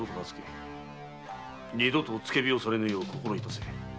二度とつけ火をされぬよう心致せ。